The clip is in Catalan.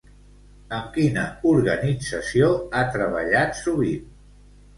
Amb quina organització ha treballat sovint?